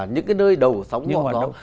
những cái nơi đầu sống ngọn gió